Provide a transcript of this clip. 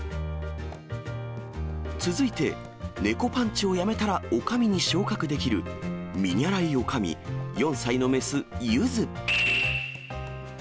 続いて、猫パンチをやめたらおかみに昇格できるみにゃらいおかみ、４歳の雌、ゆず。